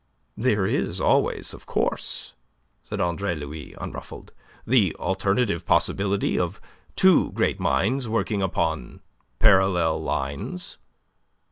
"There is always, of course," said Andre Louis, unruffled, "the alternative possibility of two great minds working upon parallel lines."